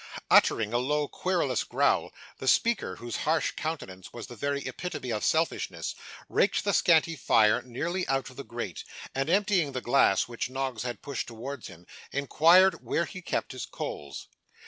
Uttering a low querulous growl, the speaker, whose harsh countenance was the very epitome of selfishness, raked the scanty fire nearly out of the grate, and, emptying the glass which Noggs had pushed towards him, inquired where he kept his coals.